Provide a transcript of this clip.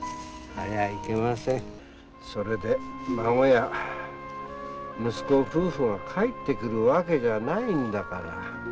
それで孫や息子夫婦が帰ってくるわけじゃないんだから。